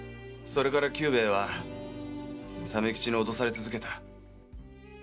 それから久兵衛は鮫吉におどされ続けた。